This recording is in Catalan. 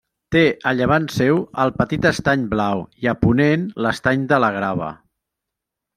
Té a llevant seu el Petit Estany Blau i a ponent l'Estany de la Grava.